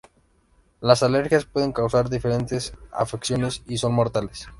Las alergias pueden causar diferentes afecciones y son mortales.